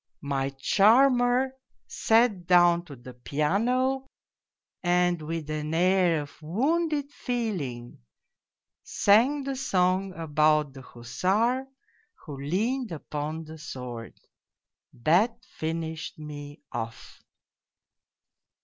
My charmer sat down to the piano and with an air of wounded feeling sang the song about the hussar who leaned upon the sword that finished me off